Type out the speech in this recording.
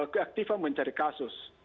keaktifan mencari kasus